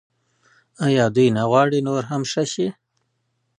آیا دوی نه غواړي نور هم ښه شي؟